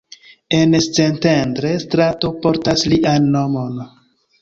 En Szentendre strato portas lian nomon.